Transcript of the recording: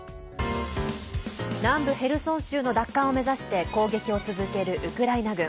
南部ヘルソン州の奪還を目指して攻撃を続けるウクライナ軍。